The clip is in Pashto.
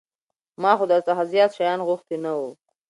ما خو در څخه زيات شيان غوښتي نه وو.